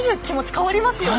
変わりますよね。